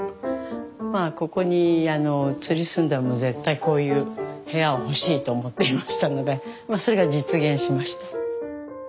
ここに移り住んだらもう絶対こういう部屋が欲しいと思っていましたのでそれが実現しました。